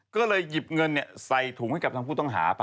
ก็เลยหยิบเงินใส่ถุงให้กับทางผู้ต้องหาไป